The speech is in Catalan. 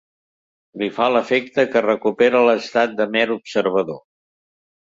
Li fa l'efecte que recupera l'estat de mer observador.